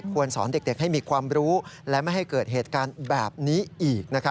สอนเด็กให้มีความรู้และไม่ให้เกิดเหตุการณ์แบบนี้อีก